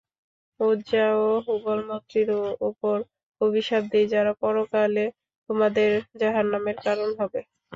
উযযা এবং হুবল মূর্তির উপর অভিশাপ দিই, যারা পরকালে তোমাদের জাহান্নামের কারণ হবে।